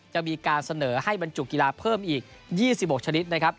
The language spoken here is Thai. จะมีการเสนอให้บรรจุกีฬาเพิ่มอีก๒๖ชนิดนะครับ